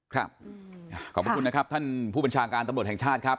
ขอบพระคุณนะครับท่านผู้บัญชาการตำรวจแห่งชาติครับ